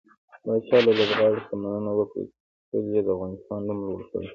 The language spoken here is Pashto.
پاچا له لوبغاړو څخه مننه وکړه چې تل يې د افغانستان نوم لوړ کړى.